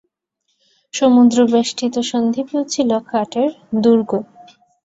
সমুদ্রবেষ্টিত সন্দ্বীপেও ছিল কাঠের দুর্গ।